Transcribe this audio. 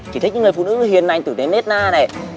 chỉ thích những người phụ nữ hiền lành tử tế nét na này